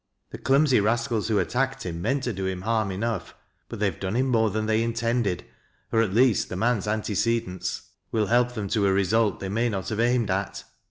The clumsy rascals who attacked hira meant to do him harm enough, but they have done him more than they intended, or at least the man's antecedents will hel^J them to a result they may not have aimed at.